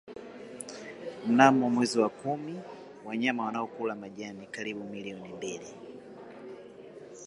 Mnamo mwezi wa kumi wanyama wanaokula majani karibu milioni mbili